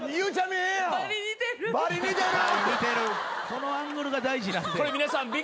このアングルが大事なんで。